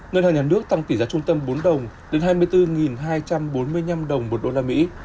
ngân hàng nhà nước tăng tỷ giá trung tâm bốn đồng đến hai mươi bốn hai trăm bốn mươi năm đồng một đô la mỹ